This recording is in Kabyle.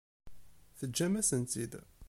Teǧǧam-asen-tt-id.